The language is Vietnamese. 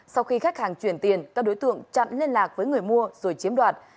sau khi khách hàng chuyển tiền các đối tượng chặn liên lạc với người mua rồi chiếm đoạt